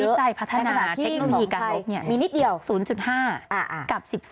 การวิจัยพัฒนาเทคโนโลยีการลบ๐๕กับ๑๒